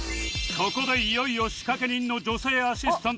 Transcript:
ここでいよいよ仕掛け人の女性アシスタントが登場